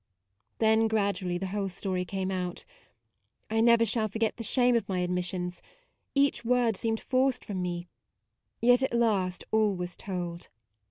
Then gradually the whole story came out. I never shall forget the shame of my admissions, each word seemed forced from me, yet at last all was told.